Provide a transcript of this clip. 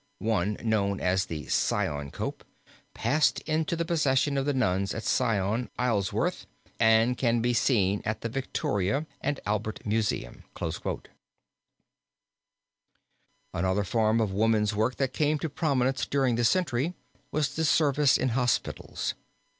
One, known as the Syon cope, passed into the possession of the nuns of Syon, Isleworth, and can be seen at the Victoria and Albert Museum." Another form of woman's work that came to prominence during the century was the service in hospitals.